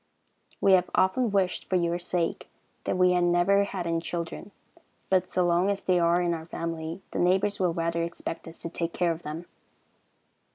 We have often wished, for your sake, that we had never had any children; but so long as they are in our family, the neighbors will rather expect us to take care of them.